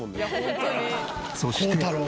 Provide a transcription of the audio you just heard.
そして。